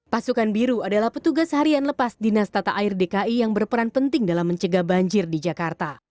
pasukan biru adalah petugas harian lepas dinas tata air dki yang berperan penting dalam mencegah banjir di jakarta